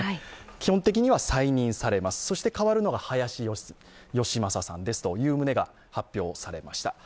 基本的には再任されます、そして代わるのが林芳正さんですという旨が発表されました。